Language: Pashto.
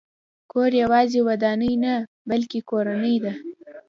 کور یوازې ودانۍ نه، بلکې کورنۍ ده.